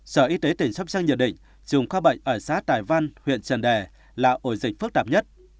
sở y tế tỉnh sopchang nhận định trùng ca bệnh ở xá tài văn huyện trần đề là ổ dịch phức tạp nhất